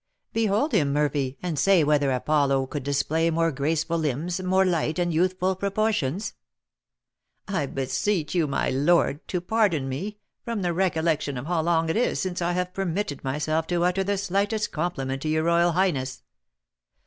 "Behold him, Murphy, and say whether Apollo could display more graceful limbs, more light, and youthful proportions!" "I beseech you, my lord, to pardon me, from the recollection of how long it is since I have permitted myself to utter the slightest compliment to your royal highness."